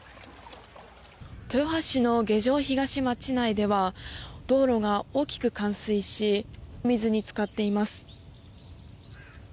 豊橋市の下条東町では道路が大きく冠水し水に浸かっています。